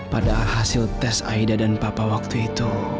pada hasil tes aida dan papa waktu itu